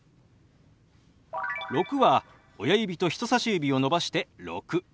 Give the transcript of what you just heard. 「６」は親指と人さし指を伸ばして「６」。